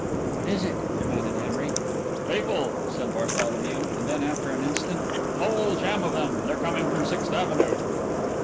"What is it?" demanded Henry. "People," said Bartholomew, and then after an instant: "Whole jam of them. They're coming from Sixth Avenue."